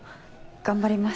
頑張ります。